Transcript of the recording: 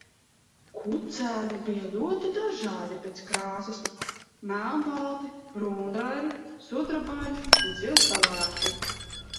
Kucēni bija ļoti dažādi pēc krāsas - melnbalti, brūnraibi, sudrabaini un zilpelēki.